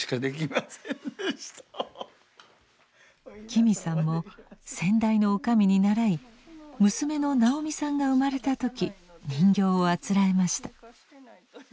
紀美さんも先代の女将に習い娘の直美さんが生まれた時人形をあつらえました。